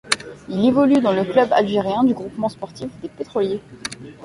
Il évolue dans le club algérien du Groupement sportif des pétroliers.